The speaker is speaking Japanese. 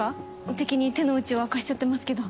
敵に手の内を明かしちゃってますけど。